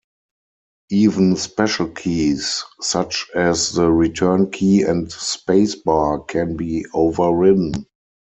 Even special keys such as the return key and spacebar can be overridden.